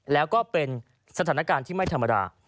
แล้วก็เป็นสถานการณ์ที่ไม่ธรรมดา